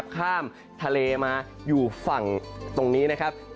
ข้ามทะเลมาอยู่ฝั่งตรงนี้นะครับ